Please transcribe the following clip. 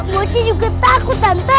mochi juga takut tante